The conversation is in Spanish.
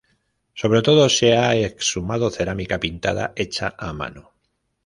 Sobre todo se ha exhumado cerámica pintada hecha a mano.